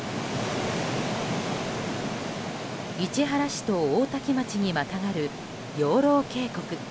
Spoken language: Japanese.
市原市と大多喜町にまたがる養老渓谷。